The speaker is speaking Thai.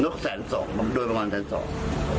นกแสนสองมากด้วยประมาณแสนสอง